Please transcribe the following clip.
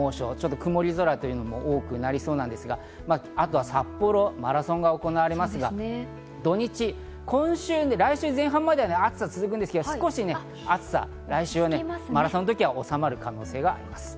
曇り空も多くなりそうですがあとは札幌、マラソンが行われますが、来週前半までは暑さが続きますが、来週マラソンの時は暑さが収まる可能性があります。